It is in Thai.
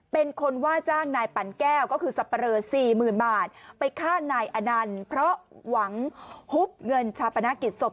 เป็นคนว่าจ้างนายปั่นแก้วก็คือสับปะเลอสี่หมื่นบาทไปฆ่านายอนันต์เพราะหวังฮุบเงินชาปนกิจศพ